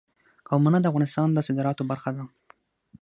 قومونه د افغانستان د صادراتو برخه ده.